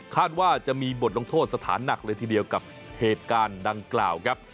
ว่าจะมีบทลงโทษสถานหนักเลยทีเดียวกับเหตุการณ์ดังกล่าวครับ